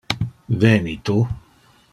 Veni tu?